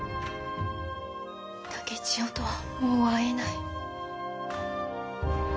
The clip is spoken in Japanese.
竹千代とはもう会えない。